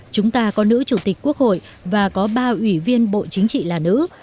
chúng ta có nữ chủ tịch quốc hội và có ba ủy viên bộ chính trị là nữ